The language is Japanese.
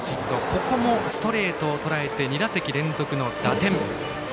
ここもストレートをとらえて２打席連続の打点。